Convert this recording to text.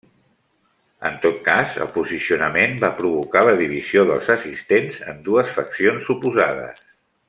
En tot cas el posicionament va provocar la divisió dels assistents en dues faccions oposades.